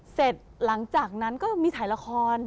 เสร็จหลังจากนั้นก็มีถ่ายละคร